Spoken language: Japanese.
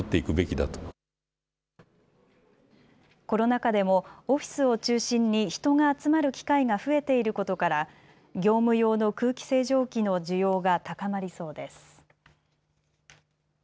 コロナ禍でもオフィスを中心に人が集まる機会が増えていることから業務用の空気清浄機の需要が高まりそうです。